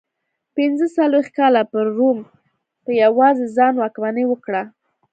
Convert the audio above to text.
پنځه څلوېښت کاله پر روم په یوازې ځان واکمني وکړه.